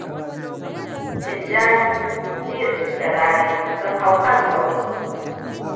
Tijjani, Jill da Lare sun hau kan tsauni.